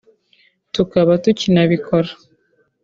tukaba tukinabikora